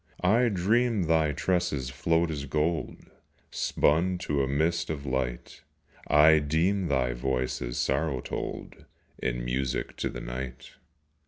I dream thy tresses float as gold Spun to a mist of light; I deem thy voice as sorrow told In music to the night.